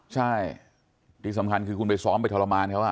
ใช่ที่สำคัญคือคุณไปซ้อมไปทรมานเขา